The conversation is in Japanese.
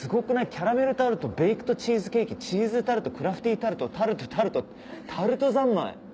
キャラメルタルトベイクドチーズケーキチーズタルトクラフティタルトタルトタルトタルト三昧！